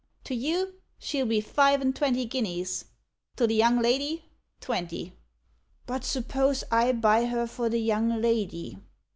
To you she'll be five an' twenty guineas. To the young lady, twenty." "But suppose I buy her for the young lady?"